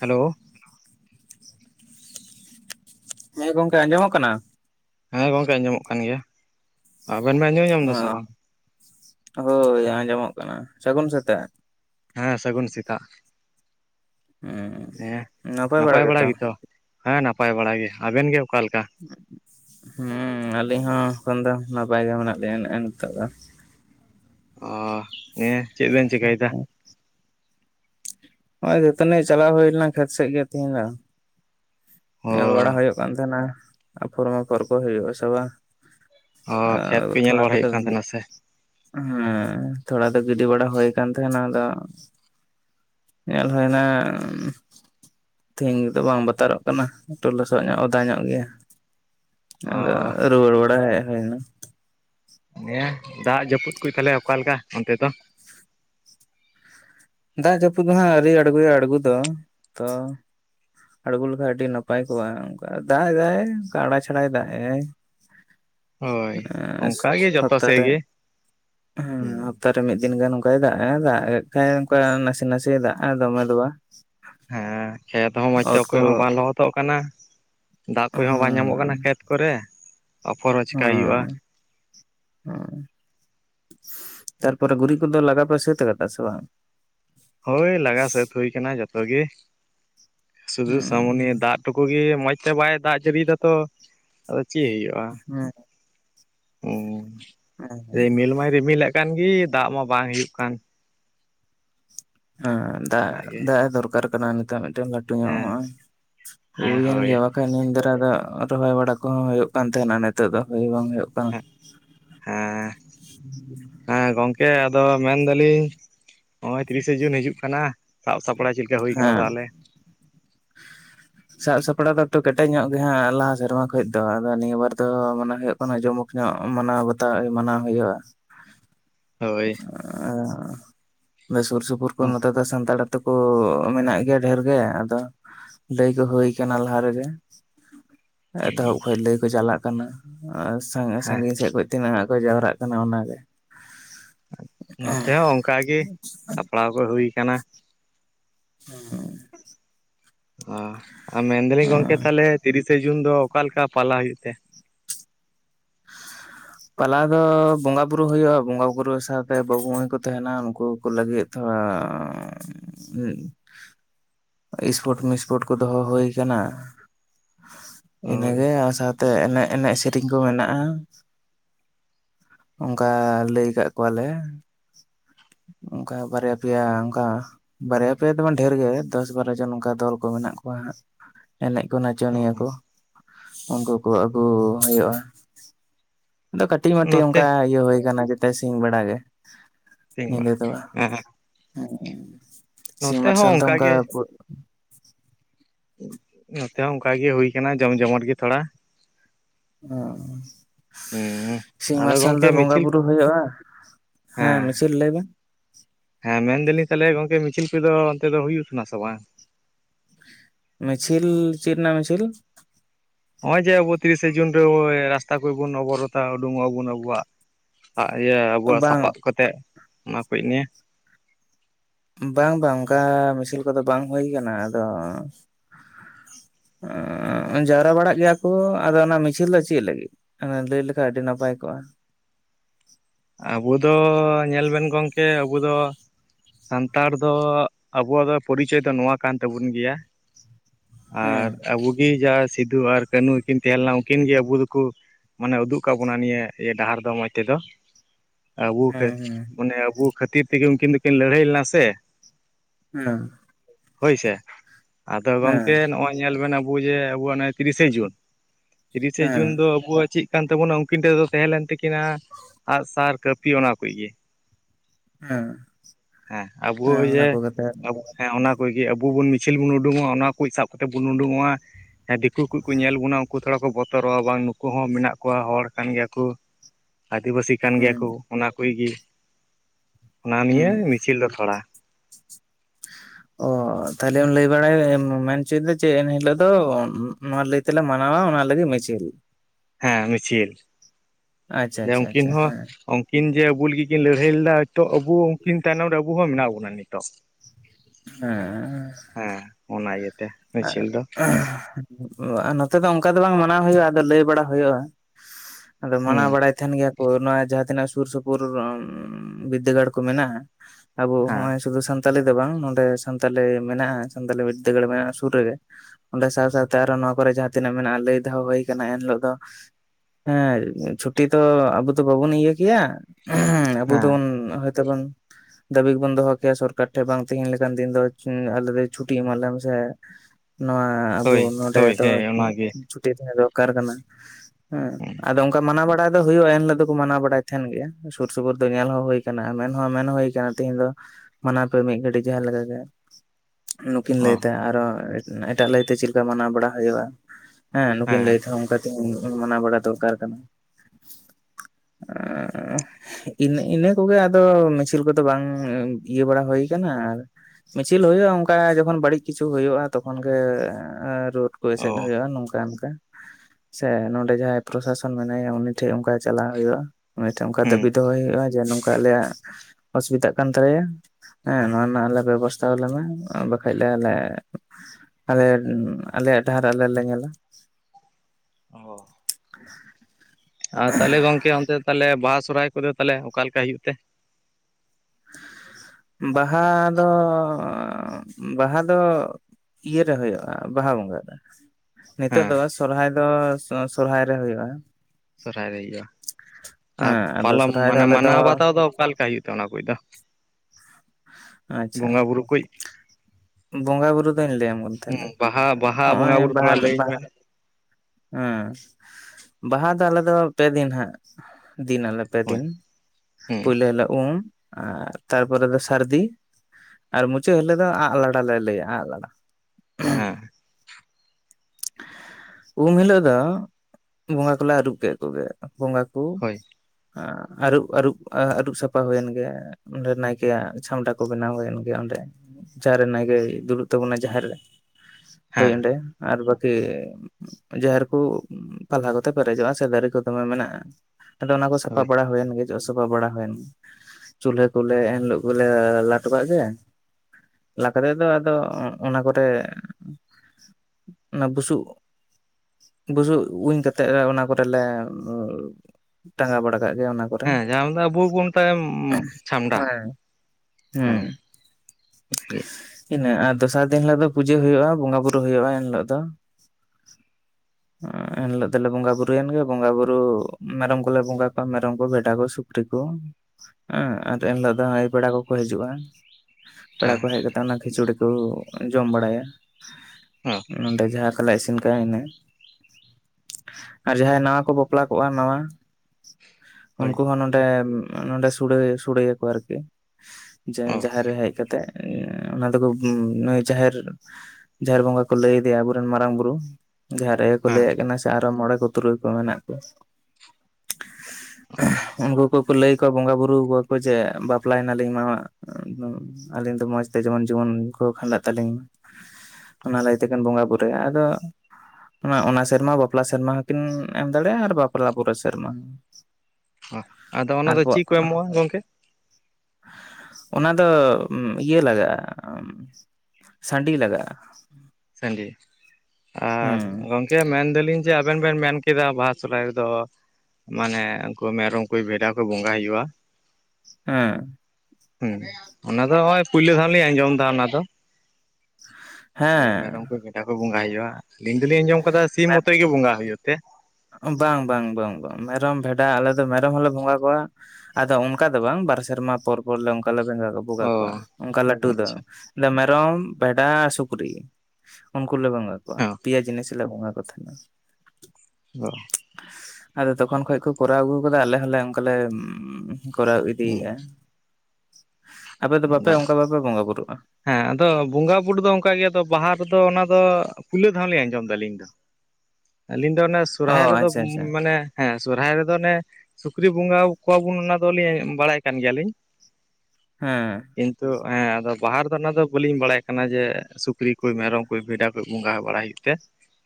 Hello ᱦᱮᱸ ᱜᱚᱢᱠᱮ ᱟᱸᱡᱚᱢᱚᱜ ᱠᱟᱱᱟ ᱦᱮᱸ ᱜᱚᱝᱠᱮ ᱟᱸᱡᱚᱢᱚᱜ ᱠᱟᱱ ᱜᱮᱭᱟ ᱟᱵᱮᱱ ᱵᱮ ᱟᱸᱡᱚᱢ ᱧᱟᱢ ᱮᱫᱟ ᱥᱮ ᱵᱟᱝ ᱦᱳᱭ ᱟᱸᱡᱚᱢᱚᱜ ᱠᱟᱱᱟ ᱥᱟᱹᱜᱩᱱ ᱥᱮᱛᱟᱜ ᱦᱮᱸ ᱥᱟᱹᱜᱩᱱ ᱥᱮᱛᱟᱜ ᱦᱮᱸ ᱱᱟᱯᱟᱭ ᱵᱟᱲᱟ ᱜᱮᱛᱚ ᱦᱮᱸ ᱱᱟᱯᱟᱭ ᱵᱟᱲᱟ ᱜᱮ ᱟᱵᱮᱱ ᱜᱮ ᱚᱠᱟ ᱞᱮᱠᱟ ᱦᱮᱸ ᱟᱹᱞᱤᱧ ᱦᱚᱸ ᱮᱠᱷᱚᱱ ᱫᱚ ᱱᱟᱯᱟᱭ ᱜᱮ ᱢᱮᱱᱟᱜ ᱞᱤᱧᱟᱹ ᱱᱤᱛᱚᱜ ᱫᱚ ᱱᱮᱸ ᱪᱮᱫ ᱵᱮᱱ ᱪᱤᱠᱟᱹᱭᱮᱫᱟ ᱱᱚᱜᱼᱚᱭ ᱫᱟᱛᱟᱱᱤ ᱪᱟᱞᱟᱣ ᱦᱩᱭ ᱞᱮᱱᱟ ᱠᱷᱮᱛ ᱥᱮᱫ ᱜᱮ ᱛᱮᱦᱤᱧ ᱫᱚ ᱚ ᱧᱮᱞ ᱵᱟᱲᱟ ᱦᱩᱭᱩᱜ ᱠᱟᱱ ᱛᱟᱦᱮᱱᱟ ᱟᱯᱷᱚᱨ ᱢᱟᱠᱚᱨ ᱠᱚ ᱦᱩᱭᱩᱜ ᱟᱥᱮ ᱵᱟᱝ ᱚ ᱠᱷᱮᱛ ᱠᱚ ᱧᱮᱞ ᱛᱷᱚᱲᱟ ᱵᱟᱲᱟ ᱠᱚᱫᱚ ᱠᱟᱱ ᱦᱩᱭᱩᱜ ᱛᱟᱦᱮᱱᱟ ᱥᱮ ᱦᱮᱸ ᱛᱷᱚᱲᱟ ᱫᱚ ᱜᱤᱰᱤ ᱵᱟᱲᱟ ᱦᱩᱭ ᱠᱟᱱᱟᱱ ᱛᱟᱦᱮᱱᱟ ᱟᱫᱚ ᱧᱮᱞ ᱦᱩᱭᱮᱱᱟ ᱛᱮᱦᱤᱧ ᱫᱚ ᱵᱟᱝ ᱵᱟᱛᱟᱨᱚᱜ ᱠᱟᱱᱟ ᱛᱚ ᱞᱚᱥᱚᱫ ᱧᱚᱜ ᱚᱫᱟ ᱧᱚᱜ ᱜᱮᱭᱟ ᱚ ᱟᱫᱚ ᱨᱩᱣᱟᱹᱲ ᱵᱟᱲᱟᱭ ᱦᱩᱭ ᱱᱟ ᱦᱮᱸ ᱫᱟᱜ ᱡᱟᱹᱯᱩᱫ ᱠᱚ ᱛᱟᱞᱮ ᱚᱠᱟ ᱞᱮᱠᱟ ᱚᱱᱛᱮ ᱫᱚ ᱫᱟᱜ ᱡᱟᱹᱯᱩᱫ ᱫᱚ ᱦᱟᱸᱜ ᱟᱹᱣᱨᱤ ᱟᱬᱜᱚᱭᱟ ᱟᱬᱜᱚ ᱫᱚ ᱛᱚ ᱟᱬᱜᱚ ᱞᱮᱠᱷᱟᱱ ᱟᱹᱰᱤ ᱱᱟᱯᱟᱭ ᱠᱚᱜᱼᱟ ᱚᱱᱠᱟ ᱫᱟᱜ ᱮᱫᱟᱭ ᱟᱲᱟ ᱪᱷᱟᱲᱟᱭ ᱫᱟᱜ ᱮᱫᱟᱭ ᱦᱳᱭ ᱮ ᱚᱱᱠᱟ ᱜᱮ ᱻ ᱡᱚᱛᱚ ᱥᱚᱛᱮ ᱥᱮᱫ ᱨᱮ ᱜᱮ ᱦᱮᱸ ᱦᱩᱸ ᱱᱚᱛᱮ ᱨᱮ ᱢᱤᱫ ᱫᱤᱱ ᱜᱟᱱ ᱚᱱᱠᱟᱭ ᱫᱟᱜ ᱫᱟᱜ ᱠᱷᱟᱱ ᱚᱱᱠᱟ ᱱᱟᱥᱮ ᱱᱟᱥᱮ ᱫᱟᱜ ᱫᱚᱢᱮ ᱫᱚ ᱵᱟᱝ ᱦᱮᱸ ᱠᱷᱮᱛ ᱦᱚᱸ ᱢᱚᱡᱽᱛᱮ ᱚᱛ ᱠᱚ ᱚᱠᱚᱭ ᱦᱚᱸ ᱵᱟᱝ ᱞᱚᱦᱚᱫᱚᱜ ᱠᱟᱱᱟ ᱫᱟᱜ ᱠᱚ ᱦᱚᱸ ᱵᱟᱝ ᱧᱟᱢᱚᱜ ᱦᱮᱸ ᱠᱟᱱᱟ ᱠᱷᱮᱛ ᱠᱚᱨᱮ ᱚᱯᱷᱚᱨ ᱦᱚᱸ ᱪᱤᱠᱟᱭ ᱦᱩᱭᱩᱜᱼᱟ ᱦᱚᱸ ᱛᱟᱨᱯᱚᱨᱮ ᱜᱩᱨᱤᱡ ᱠᱚᱫᱚ ᱞᱟᱜᱟ ᱯᱮ ᱥᱟᱹᱛ ᱠᱟᱫᱟ ᱥᱮ ᱵᱟᱝ ᱦᱳᱭ ᱞᱟᱜᱟ ᱥᱟᱹᱛ ᱦᱩᱭ ᱠᱟᱱᱟ ᱡᱚᱛᱚ ᱜᱮ ᱥᱩᱫᱩ ᱦᱮᱸ ᱥᱟᱢᱚᱱᱤ ᱫᱟᱜ ᱴᱩᱠᱩᱩᱜ ᱜᱮ ᱢᱚᱸᱡᱽᱛᱮ ᱵᱟᱭ ᱫᱟᱜ ᱡᱟᱹᱲᱤᱭ ᱫᱟ ᱛᱚ ᱟ ᱪᱮᱫ ᱦᱩᱭᱩᱜᱼᱟ ᱦᱮᱸ ᱚ ᱦᱮᱸ ᱨᱤᱢᱤᱞ ᱢᱟᱭ ᱨᱤᱢᱤᱞᱮᱫ ᱠᱟᱱ ᱜᱮ ᱫᱟᱜ ᱢᱟ ᱵᱟᱝ ᱦᱩᱭᱩᱜ ᱠᱟᱱ ᱚᱱᱟᱜᱮ ᱦᱮᱸ ᱫᱟᱜ ᱫᱚᱨᱠᱟᱨ ᱠᱟᱱᱟ ᱱᱤᱛᱚᱜ ᱞᱟᱹᱴᱩ ᱦᱮᱸ ᱧᱚᱜᱼᱟ ᱦᱮᱸ ᱦᱩᱭ ᱮᱱ ᱦᱳᱭ ᱜᱮ ᱵᱟᱝᱠᱷᱱ ᱱᱚᱝᱠᱟᱱ ᱫᱷᱟᱨᱟ ᱨᱚᱦᱚᱭ ᱵᱟᱲᱟ ᱠᱚᱦᱚᱸ ᱦᱩᱭᱩᱜ ᱠᱟᱱ ᱛᱟᱦᱮᱱᱟ ᱱᱤᱛᱚᱜ ᱫᱚ ᱦᱳᱭ ᱵᱟᱝ ᱦᱩᱭᱩᱜ ᱦᱩᱭᱩᱜ ᱠᱟᱱᱟ ᱦᱮᱸ ᱜᱚᱢᱠᱮ ᱟᱫᱚ ᱢᱮᱱᱫᱟᱞᱤᱧ ᱱᱚᱜᱼᱚᱭ ᱛᱤᱨᱤᱥᱮ ᱡᱩᱱ ᱦᱤᱡᱩᱜ ᱠᱟᱱᱟ ᱥᱟᱵ ᱥᱟᱵ ᱠᱚᱲᱟ ᱪᱮᱫ ᱞᱮᱠᱟ ᱦᱩᱭ ᱟᱠᱟᱱᱟ ᱦᱮᱸ ᱛᱟᱦᱞᱮ ᱥᱟᱵ ᱥᱟᱯᱲᱟᱣ ᱫᱚ ᱮᱠᱴᱩ ᱠᱮᱴᱮᱡ ᱧᱚᱜ ᱜᱮᱦᱟᱸᱜ ᱞᱟᱦᱟ ᱥᱮᱨᱢᱟ ᱠᱷᱚᱱ ᱫᱚ ᱟᱫᱚ ᱱᱤᱭᱟᱹᱵᱟᱨ ᱫᱚ ᱢᱮ ᱦᱩᱭᱩᱜ ᱠᱟᱱᱟ ᱡᱚᱢᱚᱠ ᱧᱚᱜ ᱢᱟᱱᱟᱣ ᱵᱟᱛᱟᱣ ᱢᱟᱱᱟᱣ ᱦᱩᱭᱩᱜᱼᱟ᱾ ᱦᱳᱭ ᱥᱩᱨ ᱥᱩᱯᱩᱨ ᱠᱚ ᱱᱚᱛᱮ ᱫᱚ ᱥᱟᱱᱛᱟᱲ ᱛᱮ ᱠᱚ ᱢᱮᱱᱟᱜ ᱜᱮᱭᱟ ᱰᱷᱮᱨ ᱜᱮ ᱟᱫᱚ ᱞᱟᱹᱭ ᱠᱚ ᱦᱩᱭ ᱟᱠᱟᱱᱟ ᱞᱟᱦᱟ ᱨᱮᱜᱮ ᱮᱛᱚᱦᱚᱵ ᱠᱷᱚᱱ ᱞᱟᱹᱭ ᱠᱚ ᱪᱟᱞᱟᱜ ᱠᱟᱱᱟ᱾ ᱦᱮᱸ ᱥᱟᱸᱜᱤᱧ ᱥᱮᱫ ᱠᱷᱚᱱ ᱛᱤᱱᱟᱹᱜ ᱦᱟᱜ ᱠᱚ ᱡᱟᱣᱨᱟᱜ ᱠᱟᱱᱟ ᱚᱱᱟᱜᱮ ᱾ ᱱᱚᱛᱮ ᱦᱚᱸ ᱚᱱᱠᱟᱜᱮ ᱥᱟᱯᱲᱟᱣ ᱠᱚ ᱦᱩᱭ ᱠᱟᱱᱟ᱾ ᱦᱮᱸ ᱚ ᱢᱮᱱ ᱫᱟᱞᱤᱧ ᱜᱚᱢᱠᱮ ᱛᱟᱦᱚᱞᱮ ᱛᱤᱨᱤᱥ ᱡᱩᱱ ᱫᱚ ᱚᱠᱟᱮᱠᱟ ᱯᱟᱞᱟᱣ ᱦᱩᱭᱩᱜ ᱛᱮ? ᱯᱟᱞᱟ ᱫᱚ ᱵᱚᱸᱜᱟ ᱵᱩᱨᱩᱳ ᱦᱩᱭᱩᱜᱼᱟ ᱵᱚᱸᱜᱟ ᱵᱩᱨᱩ ᱥᱟᱶᱛᱮ ᱵᱟᱹᱵᱩ ᱢᱟᱹᱭᱠᱩ ᱛᱟᱦᱮᱱᱟ ᱩᱱᱠᱩ ᱠᱚ ᱞᱟ. ᱜᱤᱛ ᱛᱷᱚ ᱦᱟ ᱥᱯᱳᱨᱴ ᱢᱤᱥᱯᱳᱚᱴ ᱠᱚ ᱫᱚᱦᱚ ᱦᱩᱭ ᱠᱟᱱᱟ᱾ ᱦᱳᱭ ᱤᱱᱟᱹᱜᱮ ᱟᱨ ᱥᱟᱶᱛᱮ ᱮᱱᱮᱡ ᱮᱱᱮᱡ ᱥᱮᱨᱮᱧ ᱠᱚ ᱢᱮᱱᱟᱜᱼᱟ᱾ ᱚᱱᱠᱟ ᱞᱟᱹᱭ ᱠᱟᱜ ᱠᱚᱣᱟᱞᱮ ᱾ ᱚᱱᱠᱟ ᱵᱟᱨᱭᱟ ᱯᱮᱭᱟ ᱚᱱᱠᱟ ᱵᱟᱨᱭᱟ ᱯᱮᱭᱟ ᱫᱚ ᱵᱟᱝ ᱰᱷᱮᱨ ᱜᱮ ᱫᱚᱥ ᱵᱟᱨᱚ ᱡᱚᱱ ᱚᱱᱠᱟ ᱫᱚᱞ ᱠᱚ ᱢᱮᱱᱟᱜ ᱠᱚᱣᱟ᱾ ᱮᱱᱮᱡ ᱠᱚ ᱚ ᱱᱟᱪᱚᱱᱤᱭᱟᱹ ᱠᱚ᱾ ᱩᱱᱠᱩ ᱠᱚ ᱟᱹᱜᱩ ᱦᱩᱭᱩᱜᱼᱟ᱾ ᱠᱟᱹᱴᱤᱡ ᱢᱟᱹᱴᱤᱡ ᱱᱚᱛᱮ ᱚᱱᱠᱟ ᱤᱭᱟᱹ ᱦᱩᱭ ᱠᱟᱱᱟ ᱡᱟᱛᱮ ᱥᱤᱧ ᱵᱮᱲᱟ ᱜᱮ ᱛᱤᱧ ᱧᱤᱫᱟ ᱵᱟᱲᱟᱭ ᱫᱚ ᱵᱟᱝ ᱦᱮᱸ ᱦᱩᱸ᱾ ᱥᱤ ᱱᱚᱛᱮ ᱦᱚᱸ ᱢᱟᱨᱟᱨᱥᱟᱞ ᱫᱚ ᱚᱝᱠᱟ ᱚᱱᱠᱟᱜᱮ ᱱᱚᱛᱮ ᱦᱚᱸ ᱚᱱᱠᱟᱟᱜᱮ ᱦᱩᱭ ᱠᱟᱱᱟ ᱡᱚᱢ ᱡᱚᱢᱚᱴ ᱜᱮ ᱛᱷᱚᱲᱟ ᱾ ᱦᱩᱸ ᱥᱤᱧ ᱟᱫᱚ ᱢᱟᱨᱥᱟᱞ ᱫᱚ ᱜᱚᱝᱠᱮ ᱵᱚᱸᱜᱟ ᱢᱤᱪᱷᱤᱞ ᱵᱩᱨᱩ ᱦᱩᱭᱩᱜᱼᱟ ᱾ ᱦᱮᱸ ᱢᱟᱥᱮ ᱞᱟᱹᱭ ᱵᱤᱱ ᱾ ᱦᱮᱸ ᱢᱮᱱ ᱫᱟᱞᱤᱧ ᱛᱟᱦᱞᱮ ᱜᱚᱢᱠᱮ ᱢᱤᱪᱷᱤᱞ ᱯᱮᱫᱚ ᱚᱱᱛᱮ ᱫᱚ ᱦᱩᱭᱩᱜ ᱥᱟᱱᱟ ᱥᱮ ᱵᱟᱝ᱾ ᱢᱤᱪᱷᱤᱞ ᱪᱮᱫ ᱨᱮᱱᱟᱜ ᱢᱤᱪᱷᱤᱞ? ᱱᱚᱜᱼᱚᱭ ᱡᱮ ᱟᱵᱚ ᱛᱤᱨᱤᱥᱮ ᱡᱩᱱ ᱨᱮ ᱨᱟᱥᱛᱟ ᱠᱚᱵᱚᱱ ᱚᱵᱚᱨᱚᱛᱟ ᱩᱰᱩᱠᱚᱜ ᱟᱵᱚᱱ ᱟᱵᱚᱣᱟᱜ ᱤᱭᱟᱹ ᱟᱵᱚᱣᱟᱜ ᱵᱟᱝ ᱥᱟᱯᱟᱵ ᱠᱟᱛᱮᱜ ᱚᱱᱟ ᱠᱚ ᱱᱤᱭᱮ ᱵᱟᱝ ᱵᱟᱝ ᱚᱱᱠᱟ ᱢᱤᱥᱤᱞ ᱠᱚᱫᱚ ᱵᱟᱝ ᱦᱩᱭ ᱠᱟᱱᱟ ᱟᱫᱚ ᱡᱟᱣᱨᱟ ᱵᱟᱲᱟᱜ ᱜᱮᱭᱟ ᱠᱚ᱾ ᱟᱫᱚ ᱚᱱᱟ ᱢᱤᱪᱷᱤᱞ ᱫᱚ ᱪᱮᱫ ᱞᱟᱹᱜᱤᱫ ᱞᱟᱹᱭ ᱞᱮᱠᱟᱱᱡ ᱟᱹᱰᱤ ᱱᱟᱯᱟᱭ ᱠᱚᱜᱼᱟ? [unintelligible] ᱟᱵᱚ ᱫᱚ ᱧᱮᱞᱵᱱ ᱜᱚᱢᱠᱮ ᱟᱵᱚ ᱫᱚ ᱾ ᱥᱟᱱᱛᱟᱲ ᱫᱚ ᱟᱵᱚᱣᱟᱜ ᱫᱚ ᱯᱚᱨᱤᱪᱚᱭ ᱫᱚ ᱱᱚᱣᱟ ᱠᱟᱱ ᱛᱟᱵᱚᱱ ᱜᱮᱭᱟ᱾ ᱦᱮᱸ ᱟᱨ ᱟᱵᱚᱜᱮ ᱡᱟ ᱥᱤᱫᱷᱩ ᱟᱨ ᱠᱟᱹᱱᱦᱩᱠᱤᱱ ᱛᱟᱦᱮᱸ ᱞᱮᱱᱟ ᱩᱱᱠᱤᱱ ᱜᱮ ᱟᱵᱚ ᱫᱚᱠᱚ ᱾ ᱢᱟᱱᱮ ᱩᱫᱩᱜ ᱟᱠᱟᱟᱜ ᱵᱚᱱᱟ ᱱᱤᱭᱟᱹᱤᱭᱟᱹ ᱰᱟᱦᱟᱨ ᱫᱚ ᱢᱚᱡᱽ ᱛᱮᱫᱚ᱾ ᱟᱵᱚ ᱠᱷᱟ ᱦᱮᱸ ᱦᱮᱸ ᱢᱟᱱᱮ ᱟᱵᱚ ᱠᱷᱟᱹᱛᱤᱨ ᱛᱮᱜᱮ ᱩᱱᱠᱤᱱ ᱫᱚᱠᱤᱱ ᱞᱟᱹᱲᱦᱟᱹᱭ ᱞᱮᱱᱟ ᱥᱮ᱾ ᱦᱩᱸ ᱦᱳᱭ ᱥᱮ ᱟᱫᱚ ᱜᱚᱝᱠᱮ ᱱᱚᱜᱼᱚᱭ ᱧᱮᱞ ᱵᱮᱱ ᱟᱵᱩ ᱡᱮ ᱟᱵᱚᱣᱟ ᱱᱚᱣᱟ ᱛᱤᱨᱤᱥᱮ ᱡᱩᱱ ᱛᱤᱨᱤᱥᱮ ᱦᱮᱸ ᱡᱩᱱ ᱫᱚ ᱟᱵᱚᱣᱟᱜ ᱪᱮᱫ ᱾ ᱠᱟᱱ ᱛᱟᱵᱚᱱᱟ ᱩᱱᱠᱤᱱ ᱴᱷᱮᱫᱚ ᱛᱟᱦᱮᱸ ᱞᱮᱱ ᱛᱟᱹᱠᱤᱱᱟ ᱟᱜᱼᱥᱟᱨ ᱠᱟᱹᱯᱤ ᱚᱱᱟ ᱠᱚ ᱜᱮ ᱦᱮᱸ ᱾ ᱦᱮᱸ ᱟᱵᱚ ᱦᱮᱸ ᱚᱱᱟ ᱡᱮ ᱠᱚ ᱠᱟᱛᱷᱟ ᱦᱮᱸ ᱚᱱᱟ ᱟᱵᱚ ᱵᱚᱱ ᱢᱤᱪᱷᱤᱞ ᱵᱚᱱ ᱩᱰᱩᱠᱚᱜᱼᱟ ᱚᱱᱟ ᱠᱚ ᱥᱟᱵ ᱠᱟᱛᱮ ᱵᱚᱱ ᱩᱰᱩᱜᱼᱟ ᱫᱤᱠᱩ ᱠᱚ ᱠᱚ ᱧᱮᱞ ᱵᱚᱱᱟᱠᱩ᱾ ᱛᱷᱚᱲᱟ ᱠᱚ ᱵᱚᱛᱚᱨᱚᱜᱼᱟ ᱵᱟᱝ ᱱᱩᱠᱩ ᱦᱚᱸ ᱢᱮᱱᱟᱜ ᱠᱚᱣᱟ ᱦᱚᱲ ᱠᱟᱱ ᱜᱮᱭᱟ ᱠᱚ ᱟᱹᱫᱤᱵᱟᱹᱥᱤ ᱠᱟᱱ ᱜᱮᱭᱟ ᱦᱮᱸ ᱠᱚ ᱚᱱᱩᱴᱟ ᱠᱚᱜ ᱜᱮ ᱚᱱᱟ ᱦᱮᱸ ᱱᱤᱭᱟᱹᱮ ᱢᱤᱪᱷᱤᱞ ᱫᱚ ᱛᱷᱚᱲᱟ ᱾ [unintelligible] ᱚ ᱛᱟᱦᱚᱞᱮᱢ ᱞᱟᱹᱭ ᱵᱟᱲᱟᱭᱟ ᱢᱮᱱ ᱦᱚᱪᱚᱭᱮᱫᱟ ᱡᱮ ᱮᱱᱮ ᱦᱤᱞᱚᱹᱜ ᱫᱚ ᱱᱚᱣᱟ ᱞᱟᱹᱭ ᱛᱮᱞᱮ ᱢᱟᱱᱟᱣᱟ ᱾ ᱚᱱᱟ ᱞᱟ. ᱜᱤᱛ ᱢᱤᱪᱤᱞ ᱦᱮᱸ ᱢᱤᱪᱤᱞ ᱟᱪᱪᱷᱟ ᱡᱮ ᱟᱪᱪᱷᱟ ᱩᱱᱠᱤᱱ ᱟᱪᱪᱷᱟ ᱦᱚᱸ ᱦᱮᱸ ᱩᱱᱠᱤᱱ ᱡᱮ ᱟᱵᱚ ᱞᱟᱹᱜᱤᱫ ᱠᱤᱱ ᱞᱟᱹᱲᱦᱟᱹᱭ ᱞᱮᱱᱟ ᱟᱵᱚ ᱩᱱᱠᱤᱱ ᱛᱟᱭᱱᱚᱢ ᱨᱮ ᱟᱵᱚ ᱦᱚᱸ ᱢᱮᱱᱟᱜ ᱵᱚᱱᱟ ᱱᱮᱛᱚᱜ᱾ ᱦᱮᱸ ᱚᱱᱟᱜ [unintelligible] ᱟᱨ ᱱᱚᱛᱮ ᱫᱚ ᱚᱱᱠᱟ ᱫᱚ ᱵᱟᱝ ᱢᱟᱱᱟᱣ ᱦᱩᱭᱩᱜᱼᱟ ᱟᱫᱚ ᱞᱟᱹᱭ ᱵᱟᱲᱟ ᱦᱩᱭᱩᱜᱼᱟ ᱟᱫᱚ ᱦᱩᱸ ᱢᱟᱱᱟᱣ ᱵᱟᱲᱟᱭ ᱛᱟᱦᱮᱱ ᱜᱮᱭᱟ ᱾ ᱱᱚᱣᱟ ᱡᱟᱦᱟᱸᱛᱤᱤᱱᱟᱹᱜ ᱥᱩᱨ ᱥᱩᱯᱩᱨ ᱵᱤᱫᱽᱫᱟᱹᱜᱟᱲ ᱠᱚ ᱢᱮᱱᱟᱜᱼᱟ ᱟᱵᱚ ᱦᱮᱸ ᱱᱚᱜ ᱚ ᱥᱩᱫᱩ ᱥᱟᱱᱛᱤ ᱫᱚ ᱵᱟᱝ ᱱᱚᱸᱰᱮ ᱥᱟᱱᱛᱟᱞᱤ ᱢᱮᱱᱟᱜᱼᱟ ᱥᱟᱱᱛᱟᱞᱤ ᱵᱫᱟᱹᱜᱟᱲ ᱢᱮᱱᱟᱜᱼᱟ ᱥᱩᱨ ᱨᱮᱜᱮ ᱚᱸᱰᱮ ᱥᱟᱶ ᱥᱟᱶᱶᱛᱮ ᱟᱨ ᱱᱚᱣᱟ ᱠᱚᱨᱮᱜ ᱡᱟᱦᱟᱸ ᱛᱤᱱᱟᱹᱜ ᱢᱮᱱᱟᱜᱼᱟ ᱞᱟᱹᱭ ᱫᱚᱦᱚ ᱦᱩᱭ ᱠᱟᱱᱟ ᱮᱱᱦᱤᱞᱳᱜ ᱫᱚ ᱦᱮᱸ ᱪᱷᱩᱴᱤ ᱫᱚ ᱟᱵᱚ ᱫᱚ ᱵᱟᱵᱚᱱ ᱤᱭᱟᱹ ᱠᱮᱭᱟ ᱟᱵᱚ ᱦᱮᱸ ᱫᱚᱵᱚᱱ ᱫᱚ ᱵᱟᱝ ᱫᱟᱹᱵᱤ ᱜᱮᱵᱚᱱ ᱫᱚᱦᱚ ᱠᱮᱭᱟ ᱥᱚᱨᱠᱟᱨ ᱴᱷᱮᱱ ᱵᱟᱝ ᱛᱮᱦᱧ ᱞᱮᱠᱟᱱ ᱫᱤᱱ ᱫᱚ ᱟᱞᱮ ᱫᱚ ᱪᱷᱩᱴᱤ ᱮᱢᱢᱟᱟᱞᱮᱢ ᱥᱮ ᱱᱚᱣᱟ ᱟᱵᱚ ᱦᱳᱭ ᱱᱚᱰᱮ ᱦᱳᱭ ᱫᱚ ᱦᱮᱸ ᱚᱱᱟᱜᱮ ᱪᱷᱩᱴᱤ ᱫᱚ ᱫᱚᱨᱠᱟᱨ ᱠᱟᱱᱟ ᱦᱮᱸ ᱟᱫᱚ ᱚᱱᱠᱟ ᱢᱟᱱᱟᱣ ᱵᱟᱲᱟᱭ ᱫᱚ ᱦᱩᱭᱩᱜᱼᱟ ᱮᱱᱦᱤᱞᱳᱜ ᱫᱚᱠᱚ ᱢᱟᱱᱟᱣ ᱵᱟᱲᱟᱭ ᱛᱟᱦᱮᱱ ᱜᱮᱭᱟ ᱥᱩᱨ ᱥᱩᱯᱩᱨ ᱫᱚ ᱧᱮᱞ ᱦᱚᱸ ᱦᱩᱭ ᱟᱠᱟᱱᱟ ᱢᱮᱱᱦ ᱢᱮᱱ ᱦᱩᱭᱭᱟ ᱛᱮᱤᱦᱤᱧ ᱫᱚ ᱢᱟᱱᱟᱣ ᱯᱮ ᱢᱤᱫ ᱜᱷᱟᱹᱲᱤᱡ ᱡᱟᱦᱟᱸ ᱞᱮ ᱞᱮᱠᱟ ᱜᱮ ᱱᱩᱠᱤᱱ ᱚ ᱞᱟᱹᱭᱛᱮ ᱟᱨᱚ ᱮᱴᱟᱜ ᱞᱟᱹᱭᱛᱮ ᱪᱮᱫ ᱞᱮᱠᱟ ᱢᱟᱱᱟᱣ ᱵᱟᱲᱟ ᱦᱩᱭᱩᱜᱼᱟ ᱦᱮᱸ ᱱᱩᱠᱤᱱ ᱞᱟᱹᱭ ᱛᱟᱦᱮᱸ ᱚᱱᱠᱟ ᱛ ᱢᱟᱱᱟᱣ ᱵᱟᱲᱟ ᱫᱚᱨᱠᱟᱨ ᱠᱟᱱᱟ ᱤᱱᱟᱹ ᱠᱚᱜᱮ ᱟᱫᱚ ᱢᱤᱪᱷᱤᱞ ᱠᱚᱫᱚ ᱵᱟᱝ ᱤᱭᱟᱹ ᱵᱟᱲᱟ ᱦᱩᱭᱩ ᱟᱠᱟᱱᱟᱟᱱᱟ ᱟᱨ ᱢᱤᱪᱷᱤᱞ ᱦᱩᱭᱩᱜᱼᱟ ᱚᱱᱠᱟ ᱡᱚᱠᱷᱚᱱ ᱵᱟᱹᱲᱤᱡ ᱠᱤᱪᱷᱩ ᱦᱩᱭᱩᱜᱼᱟ ᱛᱚᱠᱷᱚᱱ ᱜᱮ ᱨᱳᱰ ᱠᱚ ᱮᱥᱮᱫ ᱚ ᱦᱩᱭᱩᱜᱼᱟ ᱱᱚᱝᱠᱟ ᱚᱱᱠᱟ ᱥᱮ ᱱᱚᱸᱰᱮ ᱡᱟᱦᱟᱸᱭ ᱯᱨᱚᱥᱟᱥᱚᱱ ᱢᱮᱱᱟᱭᱟ ᱩᱱᱤ ᱴᱷᱮᱡ ᱚᱱᱠᱟ ᱪᱟᱞᱟᱣ ᱦᱩᱭᱩᱜᱼᱟ ᱢᱤᱫᱴᱮᱱ ᱚᱱᱠᱟ ᱦᱩᱸ ᱫᱟᱹᱵᱤ ᱫᱚᱦᱚᱭ ᱦᱩᱭᱩᱜᱼᱟ ᱡᱮ ᱱᱚᱝᱠᱟ ᱟᱞᱮᱭᱟᱜ ᱚᱥᱩᱵᱤᱫᱷᱟᱜ ᱠᱟᱱ ᱛᱟᱞᱮᱭᱟ ᱦᱮᱸ ᱱᱚᱣᱟ ᱨᱮᱱᱟᱜ ᱟᱞᱮ ᱵᱮᱵᱚᱥᱛᱷᱟ ᱟᱞᱮ ᱢᱮᱮ ᱵᱟᱠᱷᱷᱟᱡ ᱞᱮ ᱟᱞᱮ ᱟᱞᱮ ᱟᱞᱮᱭᱟᱜ ᱰᱟᱦᱟᱨ ᱟᱞᱮ ᱞᱮ ᱧᱮᱞᱟ ᱚ ᱟᱨ ᱛᱟᱦᱚᱞᱮ ᱜᱚᱝᱠᱮ ᱚᱱᱛᱮ ᱛᱟᱦᱚᱞᱮ ᱵᱟᱦᱟ ᱥᱚᱨᱦᱟᱭ ᱠᱚᱫᱚ ᱛᱟᱞᱦᱮ ᱚᱠᱟᱞᱮᱠᱟ ᱦᱩᱭᱩᱜ ᱛᱮ ᱵᱟᱦᱟ ᱫᱚ ᱵᱟᱦᱟ ᱫᱚ ᱤᱭᱟᱹᱨᱮ ᱦᱩᱭᱩᱜᱼᱟ ᱵᱟᱦᱟ ᱵᱚᱸᱜᱟ ᱨᱮ ᱱᱤᱛᱚᱜ ᱦᱮᱸ ᱫᱚ ᱥᱚᱨᱦᱟᱭ ᱫᱚ ᱥᱚᱨᱦᱟᱭ ᱨᱮ ᱦᱩᱭᱩᱜᱼᱟ ᱥᱚᱨᱦᱟᱭ ᱨᱮ ᱦᱩᱭᱩᱜᱼᱟ ᱟᱨ ᱦᱮᱸ ᱟᱫᱚ ᱯᱟᱞᱚᱢ ᱥᱚᱨᱦᱟᱭ ᱫᱚ ᱢᱟᱱᱮ ᱟᱞᱮ ᱢᱟᱱᱟᱣ ᱵᱟᱛᱟᱣ ᱫᱚ ᱚᱠᱟᱮ ᱞᱮᱠᱟ ᱦᱩᱭᱩᱜ ᱚᱱᱟ ᱠᱚᱫᱚ ᱵᱚᱸᱜᱟᱼᱵᱩᱨᱩ ᱠᱚ ᱵᱚᱸᱜᱟᱼᱵᱩᱨᱩ ᱫᱚᱧ ᱞᱟᱹᱭᱟᱢ ᱠᱟᱱ ᱦᱩᱸ ᱛᱟᱦᱮᱱᱟ ᱵᱟᱦᱟ ᱵᱟᱦᱟ ᱵᱚᱸᱜᱟ ᱱᱚᱜᱼᱚᱸᱚᱭ ᱵᱩᱨᱩ ᱵᱟᱦᱟ ᱛᱷᱚᱲᱟ ᱞᱟᱹᱭᱟᱹᱧ ᱵᱟᱦᱟ ᱵᱮᱱ ᱦᱮᱸ ᱵᱟᱦᱟ ᱫᱚ ᱟᱞᱮ ᱫᱚ ᱯᱮ ᱫᱤᱱ ᱦᱟᱸᱜ ᱫᱤᱱ ᱟᱞᱮ ᱯᱮ ᱦᱳᱭ ᱫᱤᱱ ᱦᱩᱸ ᱯᱳᱭᱞᱳ ᱦᱤᱞᱳ ᱩᱢ ᱟᱨ ᱛᱟᱨᱯᱚᱨᱮ ᱫᱚ ᱥᱟᱹᱨᱫᱤ ᱟᱨ ᱢᱩᱪᱟᱹᱫ ᱦᱤᱞᱳᱜ ᱫᱚ ᱟᱜ ᱞᱟᱲ ᱞᱮ ᱞᱟᱹᱭᱟ ᱟᱸᱜ ᱞᱟᱲᱟ ᱦᱮᱸ ᱩᱢ ᱦᱤᱞᱳᱜ ᱫᱚ ᱵᱚᱸᱜᱟ ᱠᱚᱞᱮ ᱟᱹᱨᱩᱵ ᱠᱮᱫ ᱠᱚᱜᱮ ᱵᱚᱸᱜᱟ ᱠᱚ ᱦᱳᱭ ᱟᱨ ᱟᱹᱨᱩᱵ ᱟᱹᱨᱩᱵ ᱟᱹᱨᱩᱵ ᱥᱟᱯᱷᱟ ᱦᱩᱭᱮᱱ ᱜᱮ ᱚᱸᱰᱮ ᱱᱟᱭᱠᱮᱭᱟᱜ ᱪᱷᱟᱢᱰᱟ ᱠᱚ ᱵᱮᱱᱟᱣ ᱦᱩᱭᱮᱱ ᱜᱮ ᱚᱸᱰᱮ ᱡᱨᱮ ᱱᱟᱭ ᱜᱮᱮᱭ ᱫᱩᱲᱩᱵ ᱛᱟᱵᱚᱱᱟ ᱡᱟᱦᱮᱨ ᱨᱮ ᱦᱳᱭ ᱦᱮᱸ ᱚᱸᱰᱮ ᱟᱨ ᱵᱟᱠᱤ ᱡᱟᱦᱮᱨ ᱠᱚ ᱯᱟᱞᱦᱟ ᱠᱚᱛᱮ ᱯᱮᱨᱮᱡᱚᱜᱼᱟ ᱥᱮ ᱫᱟᱨᱮ ᱠᱚ ᱫᱚᱢᱮ ᱢᱮᱱᱟᱜᱼᱟ ᱟᱮ ᱚᱱᱟ ᱠᱚ ᱥᱟᱯᱷᱟ ᱦᱳᱭ ᱵᱟᱲᱟ ᱦᱩᱭᱮᱱ ᱜᱮ ᱡ ᱥᱟᱯᱷᱟ ᱵᱟᱲᱟ ᱦᱩᱭᱮᱱ ᱪᱩᱞᱦᱟᱹ ᱠᱚᱞᱮ ᱮᱱᱦᱤᱞᱳᱜ ᱜᱮᱞᱮ ᱞᱟᱴᱟᱜ ᱜᱮ ᱞᱟ ᱛᱮᱫᱚ ᱟᱫᱚ ᱚᱱᱟ ᱠᱚᱨᱮ ᱚᱱᱟ ᱵᱩᱥᱩᱵ ᱵᱩᱡᱩᱜ ᱩᱧ ᱠᱟᱛᱮ ᱚᱱᱟ ᱠᱚᱨᱮᱞᱮ ᱴᱟᱸᱜᱟᱟᱣ ᱵᱟᱲᱟ ᱠᱟᱜ ᱜᱮ ᱚᱱᱟ ᱠᱚᱨᱮ ᱦᱮᱸ ᱡᱟᱦᱟᱸ ᱢᱮᱱᱟᱭ ᱟᱵᱚ ᱠᱚ ᱢᱮᱛᱟᱜ ᱪᱷᱟᱢᱰᱟ ᱦᱮᱸ ᱵᱷᱮ ᱛᱱᱟᱹᱜ ᱟᱨ ᱫᱚᱥᱟᱨ ᱫᱤᱱ ᱦᱤᱞᱳᱜ ᱫᱚ ᱯᱩᱡᱟᱹ ᱦᱩᱭᱩᱜᱼᱟ ᱵᱚᱸᱜᱟ ᱵᱩᱨᱩ ᱦᱩᱭᱩᱜᱼᱟ ᱮᱱ ᱦᱤᱞᱳᱜ ᱫᱚ ᱮᱱᱤᱞᱳᱜ ᱫᱚᱞᱮ ᱵᱚᱸᱜᱟ ᱵᱩᱨᱩᱭᱮᱱ ᱜᱮᱮ ᱵᱚᱸᱜᱟ ᱵᱩᱨᱩ ᱢᱮᱨᱚᱢ ᱠᱚᱞᱮ ᱵᱚᱸᱜᱟ ᱠᱚᱣᱟ ᱢᱮᱨᱚᱢ ᱠᱚ ᱵᱷᱮᱰᱟ ᱠᱚ ᱥᱩᱠᱨᱤ ᱠᱚ ᱠᱚ ᱦᱸ ᱟᱨ ᱮᱱ ᱦᱤᱞᱳᱜ ᱫᱚ ᱱᱚᱜᱭ ᱯᱮᱲᱟ ᱠᱚᱠᱚ ᱦᱤᱡᱩᱜᱼᱟ ᱯᱮᱲᱟ ᱦᱮᱸ ᱠᱚ ᱦᱮᱡ ᱠᱟᱛᱮᱜ ᱚᱱᱟ ᱠᱷᱤᱪᱩᱲᱤ ᱡᱚᱢ ᱵᱟᱲᱟᱭᱟ ᱚ ᱱᱚᱰᱮ ᱡᱟᱦᱟᱸ ᱠᱚᱞ ᱤᱥᱤᱱ ᱪᱤᱱᱠ ᱤᱱᱟᱹ ᱟᱨ ᱡᱟᱦᱟᱸᱭ ᱱᱟᱣᱟ ᱠᱚ ᱵᱟᱯᱞᱟ ᱠᱚᱜᱼᱟ ᱱᱟᱣᱟ ᱦᱳᱭ ᱩᱱᱠᱩ ᱦᱚᱸ ᱱᱚᱰᱮ ᱥᱲᱮᱭᱟᱠᱚ ᱟᱨᱠᱤ ᱡᱮ ᱚ ᱡᱟᱦᱟᱸᱟᱸ ᱨᱮ ᱦ ᱚᱱᱟ ᱫᱚᱠᱚ ᱡᱟᱦᱮᱨ ᱡᱟᱦᱮᱨ ᱵᱚᱸᱜᱟ ᱠᱚ ᱞᱟᱹᱭ ᱟᱫᱮᱭᱟ ᱟᱵᱚᱨᱮᱱ ᱢᱟᱨᱟᱝ ᱵᱩᱨᱩ ᱡᱟᱦᱟᱸ ᱨᱮᱜᱮ ᱠᱚ ᱦᱮᱸ ᱞᱟᱹᱭᱫ ᱠᱟᱱᱟ ᱥᱮ ᱟᱨᱚ ᱢᱚᱬᱮ ᱠᱚ ᱛᱩᱨᱩᱭ ᱠᱚ ᱢᱮᱱᱟᱜ ᱠᱚ ᱩᱱᱠᱩ ᱠᱚᱠᱚ ᱞᱟᱹᱭ ᱟᱠᱠᱚᱣᱟ ᱵᱚᱸᱜᱟ ᱵᱩᱨᱩ ᱟᱠ ᱠᱚᱣᱟ ᱠᱚ ᱡᱮ ᱵᱟᱯᱞᱟᱭᱮᱱᱟᱞᱤᱧ ᱢᱟ ᱟᱹᱞᱤᱧ ᱫᱚ ᱢᱚᱡᱽ ᱛᱮ ᱡᱮᱢᱚᱱ ᱡᱩᱢᱚᱱ ᱠᱚ ᱠᱷᱟᱸᱰᱟᱜ ᱛᱟᱹᱟᱞᱞᱤᱧ ᱢᱟ ᱚᱱᱟ ᱞᱟᱹᱭ ᱛᱮᱠᱟᱱ ᱵᱚᱸᱜᱟ ᱵᱩᱨᱩᱭᱟ ᱟᱫᱚ ᱚᱱᱟ ᱥᱮᱨᱢᱟ ᱵᱟᱯᱞᱟ ᱥᱮᱨᱢᱟ ᱦᱚᱸᱠᱤᱱ ᱮᱢ ᱫᱟᱲᱮᱭᱟᱜᱼᱟ ᱟᱨ ᱵᱟᱯᱞᱟ ᱵᱟᱹ ᱥᱮᱨᱢᱟ ᱦ ᱟᱫᱚ ᱚᱱᱟ ᱟᱨ ᱫᱚ ᱪᱮᱫ ᱠᱚ ᱮᱢᱚᱜᱼᱟ ᱜᱚᱢᱠᱮ ᱚᱱᱟ ᱫᱚ ᱤᱭᱟᱹ ᱞᱟᱜᱟᱜᱼᱟ ᱥᱟᱺᱰᱤ ᱞᱟᱜᱟᱜᱼᱟ ᱥᱟᱺᱜ ᱟᱨ ᱦᱩᱸ ᱜᱚᱝᱠᱮ ᱢᱮᱱᱫᱟᱞᱤᱧ ᱡᱮ ᱟᱵᱮᱱ ᱵᱮᱱ ᱢᱮᱱ ᱠᱮᱫᱟ ᱵᱟᱦᱟ ᱥᱚᱦᱦᱟᱭ ᱨᱮᱫᱚ ᱢᱟᱱᱮ ᱩᱱᱠᱩ ᱢᱮᱨᱚᱢ ᱠᱚ ᱵᱷᱮᱰᱟ ᱠᱚ ᱵᱚᱸᱜᱟᱟᱭ ᱦᱩᱭᱩᱜᱼᱟ ᱦᱮᱸ ᱦᱮᱸ ᱚᱱᱟ ᱫᱚ ᱱᱚᱜᱼᱚᱭ ᱯᱳᱭᱞᱳ ᱫᱷᱟᱣ ᱞᱤᱧ ᱟᱸᱡᱚᱢ ᱮᱫᱟ ᱚᱱᱟ ᱫᱚ ᱡᱮ ᱢᱮᱨᱚᱢ ᱦᱮᱸ ᱠᱚ ᱜᱮᱰᱟ ᱠᱚ ᱵᱚᱸᱜᱟ ᱦᱩᱭᱩᱜᱼᱟ ᱟᱞᱤᱧ ᱫᱚᱞᱤᱧ ᱟᱸᱡᱚᱢ ᱟᱠᱟᱫᱟ ᱥᱤᱢ ᱢᱚᱛᱚᱡ ᱜᱮ ᱵᱚᱸᱜᱟ ᱦᱩᱭᱩᱜ ᱛᱮ ᱵᱟᱝ ᱵᱟᱝ ᱵᱟᱝ ᱵᱟᱝ ᱢᱮᱨᱚᱢ ᱵᱷᱮᱰᱟ ᱟᱞᱮ ᱫᱚ ᱢᱮᱨᱚᱢ ᱦᱚᱸᱞᱮ ᱵᱚᱸᱜᱟ ᱠᱚᱣᱟ ᱟᱫᱚ ᱚᱱᱠᱟ ᱫᱚ ᱵᱟᱝ ᱟᱨ ᱥᱮᱨᱢᱟ ᱯᱚᱨᱚᱨ ᱞᱮ ᱚᱱᱠᱟ ᱞᱮ ᱵᱮᱸᱜᱟ ᱟᱹᱵᱩ ᱚ ᱠᱟᱠᱚᱣᱟ ᱚᱱᱠᱟ ᱞᱟᱹᱴᱩ ᱫᱚ ᱟᱪᱪᱷᱟ ᱢᱮᱨᱚᱢ ᱵᱷᱰᱟ ᱥᱩᱠᱨᱤ ᱩᱱᱠᱩ ᱞᱮᱮ ᱵᱚᱸᱜᱟ ᱠᱚᱣᱟ ᱦᱮᱸ ᱯᱮᱭᱟ ᱡᱤᱱᱤᱥ ᱪ ᱵᱚᱸᱜᱟ ᱠᱚ ᱛᱟᱦᱮᱱᱟ ᱚ ᱟᱫᱚ ᱛᱚᱠᱷᱚᱱ ᱠᱷᱚᱡ ᱠᱚ ᱠᱚᱨᱟᱣ ᱟᱹᱜᱩᱠᱟᱫᱟ ᱟᱞᱮ ᱦᱚᱸᱞᱮ ᱚᱱᱠᱟᱞᱮ ᱠᱚᱨᱟᱣ ᱦᱩᱸ ᱤᱫᱤᱭᱮᱫᱼᱟ ᱟᱯᱮ ᱫᱚ ᱵᱟᱯᱮ ᱟᱫᱚ ᱚᱝᱠᱟ ᱵᱟᱯᱮ ᱵᱚᱸᱜᱟ ᱵᱩᱨᱩ ᱦᱮᱸ ᱟᱫᱚ ᱵᱚᱸᱜᱟ ᱵᱩᱨᱩ ᱫᱚ ᱚᱱᱠᱟ ᱜᱮ ᱟᱫᱚ ᱵᱟᱦᱟ ᱟ ᱫᱚ ᱚᱱᱟ ᱫᱚ ᱯᱷᱩᱞᱟᱹ ᱫᱷᱟᱣ ᱞᱤᱧ ᱟᱸᱡᱚᱢ ᱮᱫᱟ ᱟᱹᱞᱤᱧ ᱫᱚ ᱟᱹᱞᱤᱧ ᱫᱚ ᱚᱱᱮ ᱚ ᱥᱚᱨᱦᱟᱭ ᱨᱮᱫᱚ ᱟᱪᱪᱷᱟ ᱟᱪᱪᱷᱟ ᱢᱟᱱᱮ ᱦᱮᱸ ᱥᱚᱨᱦᱟᱭ ᱨᱮᱫᱚ ᱚᱱᱮ ᱥᱩᱠᱨᱤ ᱵᱚᱸᱜᱟ ᱠᱚᱣᱟᱵᱚᱱ ᱚᱱᱟ ᱫᱚᱞᱤᱧ ᱵᱟᱲᱟᱭ ᱠᱟᱱ ᱜᱮᱭᱟᱞᱤᱧ ᱦᱮᱸ ᱠᱤᱱᱛᱩ ᱦᱮᱸ ᱟᱫᱚ ᱵᱟᱦᱟ ᱫᱚ ᱚᱱᱟ ᱫᱚ ᱵᱟᱹᱞᱤᱧ ᱵᱟᱲᱟᱭ ᱠᱟᱱᱟ ᱡᱮ ᱥᱩᱠᱨᱤ ᱠᱚ ᱢᱮᱨᱚᱢ ᱠᱚ ᱵᱷᱮᱰᱟ ᱠᱚ ᱵᱚᱸᱜᱟ ᱵᱟᱲᱟᱟᱭ ᱦᱩᱭᱩᱜ ᱛᱮ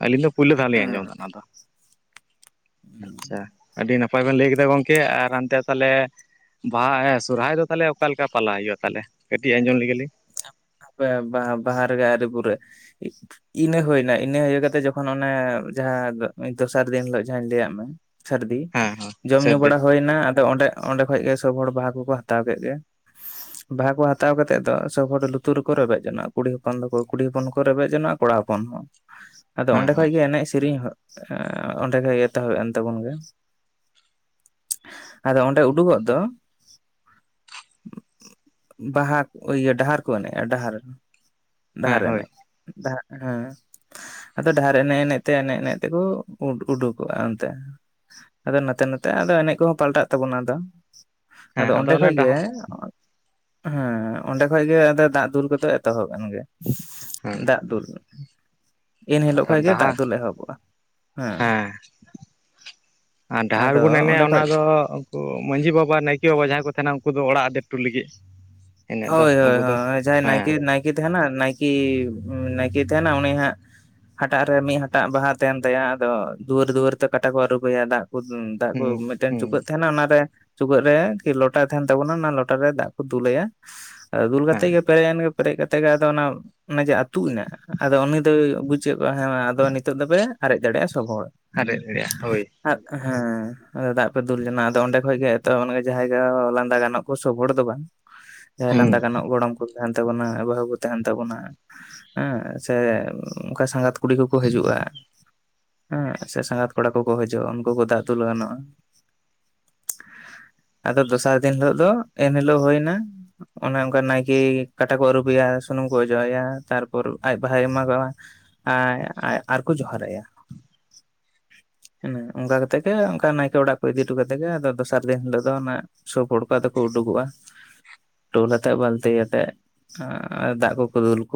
ᱟᱹᱞᱤᱧ ᱫᱚ ᱯᱳᱭᱞᱳ ᱫᱷᱟᱣ ᱞᱤᱧ ᱟᱸᱡᱚᱢ ᱮᱫᱟ ᱦᱮᱸ ᱚᱱᱟᱫᱚ ᱟᱪᱪᱷᱟ ᱟᱹᱰᱤ ᱱᱟᱯᱟᱭ ᱵᱮᱱ ᱞᱟᱹᱭ ᱠᱮᱫᱟ ᱜᱚᱝᱠᱮ ᱟᱨ ᱦᱟᱱᱛᱮ ᱛᱟᱦᱞᱮ ᱵᱟᱦᱟ ᱥᱚᱨᱦᱟᱭ ᱫᱚ ᱛᱟᱦᱚᱞᱮ ᱚᱠᱟᱮ ᱞᱮᱠᱟ ᱯᱟᱞᱟᱣ ᱦᱩᱭᱩᱜᱼᱟ ᱛᱟᱦᱚᱞᱮ ᱠᱟᱹᱴᱤᱡ ᱟᱸᱡᱚᱢ ᱞᱮᱜᱮ ᱵᱟᱦᱟ ᱨᱮᱜᱮ ᱟᱨᱨᱤ ᱵᱩᱨᱮ ᱤᱱᱟᱹ ᱦᱩᱭᱱᱟ ᱤᱱᱟᱹ ᱦᱩᱭ ᱠᱟᱛᱮ ᱡᱚᱠᱷᱚᱱ ᱚᱱᱮ ᱡᱟᱦᱟᱸ ᱫᱚᱥᱟᱨ ᱫᱤᱱ ᱦᱤᱞᱳᱜ ᱡᱟᱦᱟᱸᱧ ᱞᱟᱹᱫ ᱢᱮ ᱥᱟᱹᱨᱫᱤ ᱦᱮᱸ ᱦᱮᱸ ᱡᱚᱢ ᱧᱩ ᱥᱟᱹᱨᱫᱤ ᱵᱟᱲᱟ ᱦᱩᱭᱱᱟ ᱟᱫᱚ ᱚᱸᱰᱮ ᱚᱸᱰᱮ ᱠᱷᱚᱱᱚᱡ ᱜᱮ ᱥᱵ ᱦᱚᱲ ᱵᱟᱦᱟ ᱠᱚᱠᱚ ᱦᱟᱛᱟᱣ ᱠᱮᱫ ᱜᱮ ᱵᱟᱦᱟ ᱠᱚ ᱦᱟᱛᱟᱣ ᱠᱟᱛᱮᱮᱫ ᱫᱚ ᱥᱚᱵᱵ ᱦᱚᱲ ᱞᱩᱛᱩᱨ ᱟ ᱟᱹᱛᱩ ᱨᱮᱠᱚ ᱨᱮᱵᱮᱡ ᱡᱚᱚᱜᱼᱟ ᱠᱩᱲᱤ ᱦᱚᱯᱚᱱ ᱫᱚᱠᱚ ᱠᱩᱲᱤ ᱦᱚᱯᱚᱱ ᱠᱚ ᱨᱮᱵᱮᱡ ᱡᱚᱚᱜᱼᱟ ᱠᱚᱲᱟ ᱦᱚᱯᱚᱱ ᱦᱚᱸ ᱟᱫᱚ ᱦᱮᱸ ᱚᱸᱰᱮ ᱠᱷᱚᱡ ᱦᱳᱭ ᱜᱮ ᱮᱱᱮᱡ ᱥᱮᱨᱮᱧ ᱚᱸᱰᱮᱜ ᱮᱛᱚᱦᱚᱵ ᱮᱱ ᱛᱟᱵᱚᱱ ᱜᱮ ᱟᱫᱚ ᱚᱸᱰᱮ ᱩᱰᱩᱠᱚᱜ ᱫᱚ ᱵᱟᱦᱟ ᱤᱭᱟᱹ ᱰᱟᱦᱟᱨ ᱮᱱᱮᱡᱼᱟ ᱰᱟᱦᱟᱨ ᱦᱮᱸ ᱰᱟᱦᱟᱨ ᱦᱳᱭ ᱮᱱᱮᱡ ᱦᱮᱸ ᱟᱫᱚ ᱰᱟᱦᱟᱨ ᱮᱱᱮᱡ ᱮᱱᱮᱡ ᱛᱮ ᱮᱱᱮᱡ ᱮᱱᱮᱡ ᱛᱮᱠᱚ ᱩᱰᱩᱠᱚᱜᱼᱟ ᱚᱱᱛᱮ ᱟᱫᱚ ᱱᱚᱛᱮ ᱱᱚᱛᱮ ᱟᱫᱚ ᱮᱱᱮᱡ ᱠᱚᱦᱚᱸ ᱯᱟᱞᱴᱟᱜ ᱛᱟᱵᱚᱱᱟ ᱟᱫᱚ ᱦᱮᱸ ᱟᱫᱚ ᱚᱸᱰᱮ ᱚᱱᱮ ᱠᱷᱚᱡ ᱜᱮ ᱰᱟᱦᱟᱨ ᱦᱮᱸ ᱚᱸᱰᱮ ᱠᱷᱚᱡ ᱜᱮ ᱫᱟᱜ ᱫᱩᱞ ᱠᱚᱫᱚ ᱮᱛᱚᱦᱚᱵ ᱜᱮ ᱦᱮᱸ ᱫᱟᱜ ᱫᱩᱞ ᱮᱱ ᱦᱤᱞᱳᱜ ᱟᱨ ᱠᱷ ᱜᱮ ᱫᱟᱜ ᱰᱟᱦᱟᱨ ᱫᱚ ᱮᱦᱚᱵᱚᱜᱼᱟ ᱦᱮᱸ ᱟᱨ ᱰᱟᱦᱟᱨ ᱟᱫᱚ ᱵᱚᱱ ᱮᱱᱮᱡᱼᱟ ᱚᱸᱰᱮ ᱚᱱᱟ ᱠᱷᱚᱡ ᱫᱚ ᱢᱟᱺᱡᱷᱤ ᱵᱟᱵᱟ ᱱᱟᱭᱠᱮ ᱵᱟᱵᱟ ᱡᱟᱦᱟᱸᱭ ᱠᱚ ᱠᱚ ᱛᱟᱦᱮᱱᱟ ᱩᱱᱠᱩ ᱫᱚ ᱚᱲᱟᱜ ᱰᱴᱩ ᱞᱟᱹᱜᱤᱫ ᱮᱱᱮᱡ ᱫᱚ ᱦᱳᱭ ᱦᱳᱭ ᱟᱵᱚ ᱫᱚ ᱦᱳᱭ ᱡᱟᱦᱟᱸᱭ ᱦᱮᱸ ᱱᱟᱭᱠᱮ ᱱᱟᱭᱠᱮ ᱛᱟᱦᱮᱱᱟ ᱱᱟᱭᱠᱤ ᱴᱤᱠᱤ ᱛᱟᱦᱮᱱᱟ ᱩᱱᱤ ᱦᱟᱸᱜ ᱦᱟᱴᱟᱜ ᱨᱮ ᱢᱤᱫ ᱦᱟᱴᱟᱜ ᱵᱟᱦᱟ ᱛᱟᱦᱮᱱ ᱛᱟᱭᱟ ᱟᱫᱚ ᱫᱩᱣᱟᱹᱨ ᱫᱩᱣᱟᱹᱨ ᱛᱮ ᱠᱟᱴᱟ ᱠᱚ ᱟᱹᱨᱩᱵᱮᱭᱟ ᱫᱟᱜ ᱫᱟᱜ ᱠᱚ ᱦᱩᱸ ᱢᱤᱫᱴᱮᱱ ᱦᱩᱸ ᱪᱩᱠᱟᱹᱜ ᱛᱟᱦᱮᱱᱟ ᱚᱱᱟᱨᱮ ᱪᱩᱜᱟᱹᱜ ᱨᱮ ᱠᱤ ᱞᱚᱴᱟ ᱛᱟᱦᱮᱱ ᱛᱟᱵᱚᱱᱟ ᱚᱱᱟ ᱞᱚᱴᱟ ᱨᱮ ᱫᱟᱜ ᱠᱚ ᱫ ᱩᱞᱟᱹᱭᱟ ᱫᱩᱞᱠᱟᱛ ᱦᱮᱸ ᱜᱮ ᱯᱮᱭ ᱜᱮ ᱯᱮᱨᱮᱡ ᱠᱟᱛᱮ ᱜᱮ ᱟᱫᱚ ᱚᱱᱟ ᱚᱱᱮ ᱡᱮ ᱟᱹᱛᱩᱜ ᱦᱮ ᱟᱫᱚ ᱩᱱᱤ ᱫᱚᱭ ᱵᱩᱡᱮᱫ ᱠᱚᱣᱣᱟ ᱦᱮᱸ ᱟᱫᱚ ᱱᱤᱛᱚᱜ ᱫᱚᱯᱮ ᱟᱨᱮᱡ ᱫᱟᱲᱮᱭᱟᱜᱼᱟ ᱥᱚᱵᱚᱦᱚᱲ ᱟᱨᱨᱮ ᱨᱭᱟ ᱦᱳᱭ ᱟᱨ ᱦᱮᱸ ᱟ ᱫᱟᱜ ᱯᱮ ᱫᱩᱞ ᱡᱚᱱᱟ ᱟᱫᱚ ᱚᱸᱰᱮ ᱠᱷᱚᱡ ᱜᱮ ᱮᱚ ᱡᱟᱦᱟᱸ ᱞᱟᱸᱫᱟ ᱜᱟᱱᱚᱜ ᱠᱚ ᱥᱚᱵ ᱦᱚᱲ ᱫᱚ ᱵᱟᱝ ᱡᱟᱦᱟᱸᱭ ᱦᱩᱸ ᱞᱟᱸᱫᱟ ᱜᱟᱱᱚᱜ ᱜᱚᱲᱚᱢ ᱠᱚ ᱛᱟᱦᱮᱱ ᱛᱟᱵᱚᱱᱟ ᱵᱟᱦᱩ ᱠᱩ ᱛᱟᱦᱮᱱ ᱛᱟᱵᱚᱱᱟ ᱦᱮᱸ ᱥᱮ ᱚᱱᱠᱟ ᱥᱟᱸᱜᱟᱛ ᱠᱚ ᱠᱩᱲᱤ ᱠᱚᱠᱚ ᱦᱤᱡᱩᱜᱼᱟ ᱦᱮᱸ ᱥᱮ ᱥᱟᱸᱜᱟᱛ ᱠᱚᱲᱟ ᱠᱚᱠᱚ ᱦᱤᱡᱩᱜᱼᱟ ᱩᱱᱠᱩ ᱠᱚ ᱫᱟᱜ ᱫᱩᱞ ᱜᱟᱹᱱᱚᱜᱼᱟ ᱟᱫᱚ ᱫᱚᱥᱟᱨ ᱫᱤᱱ ᱦᱤᱞᱳᱜ ᱫᱚ ᱮᱱᱦᱤᱞᱳᱜ ᱦᱩᱭᱱᱟ ᱚᱱᱮ ᱚᱱᱠᱟ ᱱᱟᱭᱠᱮ ᱠᱟᱴᱟ ᱠᱚ ᱟᱹᱨᱩᱵᱮᱭᱟ ᱥᱩᱱᱩᱢ ᱠᱚ ᱚᱡᱚᱜ ᱟᱭᱟ ᱛᱟᱨᱯᱚᱨ ᱟᱡ ᱵᱟᱦᱟᱭ ᱮᱢᱟᱜᱟᱜᱼᱟ ᱮ ᱟᱨᱠᱚ ᱡᱚᱦᱟᱨ ᱟᱭᱟ ᱦ ᱚᱱᱠᱟ ᱠᱟᱛᱮᱜ ᱜᱮ ᱚᱱᱠᱟ ᱱᱟᱭᱠᱮ ᱚᱲᱟᱜ ᱠᱚ ᱤᱫᱤ ᱦᱚᱴᱚ ᱠᱟᱛᱮᱜ ᱜᱮ ᱟᱫᱚ ᱫᱚᱥᱟᱨ ᱫᱤᱱ ᱦᱤᱞᱳᱜ ᱫᱚ ᱚᱱᱟ ᱥᱩᱵ ᱦᱚᱲ ᱠᱚ ᱟᱫᱚ ᱩᱰᱩᱠᱚᱜᱼᱟ ᱴᱩᱞ ᱟᱛᱮ ᱵᱟᱹᱞᱛᱤ ᱟᱛᱮ ᱫᱟᱜ ᱠᱚᱠᱚ ᱫᱩᱞ ᱠᱚ